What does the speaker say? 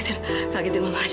kamu panggil dia mama aja